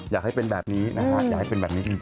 อยากให้เป็นแบบนี้จริง